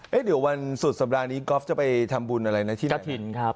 เห้ยเดี๋ยววันสุดสัปดาห์นี้ก็อฟจะไปทำบุญอะไรนะที่ไหนนะ